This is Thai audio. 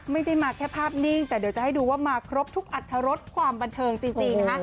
ไม่ได้มาแค่ภาพนิ่งแต่เดี๋ยวจะให้ดูว่ามาครบทุกอัตรรสความบันเทิงจริงนะคะ